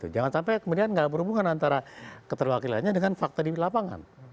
jangan sampai kemudian gak berhubungan antara keterwakilannya dengan fakta di lapangan